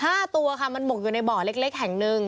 ห้าตัวค่ะมันหมกอยู่ในบ่อเล็กเล็กแห่งหนึ่ง